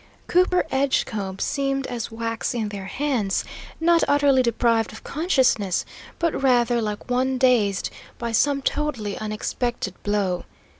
Cooper Edgecombe seemed as wax in their hands, not utterly deprived of consciousness, but rather like one dazed by some totally unexpected blow.